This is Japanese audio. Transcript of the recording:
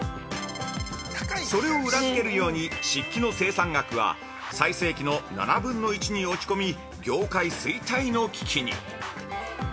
それを裏づけるように漆器の生産額は最盛期の７分の１に落ち込み業界衰退の危機に。